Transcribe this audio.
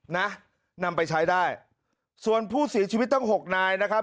นะนำไปใช้ได้ส่วนผู้เสียชีวิตตั้งหกนายนะครับ